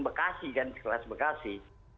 bekasi kan kelas bekasi